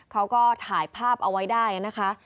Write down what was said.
เขาก็ถ่ายภาพเอาไว้ได้นะคะ